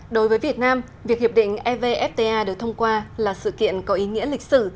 đối với việt nam việc hiệp định evfta được thông qua là sự kiện có ý nghĩa lịch sử